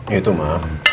ya itu ma